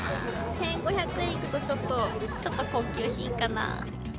１５００円いくとちょっと、ちょっと高級品かな。